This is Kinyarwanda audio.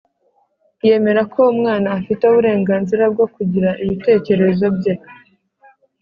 Yemera ko umwana afite uburenganzira bwo kugira ibitekerezo bye